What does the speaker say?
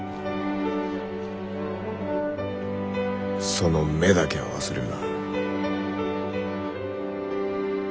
その目だけは忘れるな。